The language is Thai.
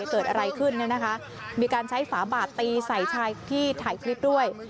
เกิดอะไรขึ้นเนี่ยนะคะมีการใช้ฝาบาดตีใส่ชายที่ถ่ายคลิปด้วย